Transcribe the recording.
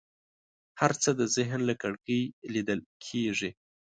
هر څه د ذهن له کړکۍ لیدل کېږي.